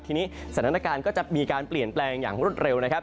ทีนี้สถานการณ์ก็จะมีการเปลี่ยนแปลงอย่างรวดเร็วนะครับ